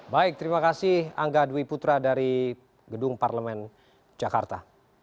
baik terima kasih angga dwi putra dari gedung parlemen jakarta